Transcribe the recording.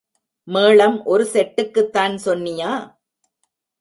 மேளம் ஒரு செட்டுக்குத்தான் சொன்னியா?